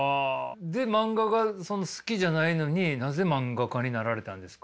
で漫画が好きじゃないのになぜ漫画家になられたんですか？